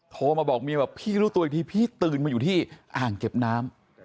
โทรมาบอกเมียบอกพี่รู้ตัวอีกทีพี่ตื่นมาอยู่ที่อ่างเก็บน้ำ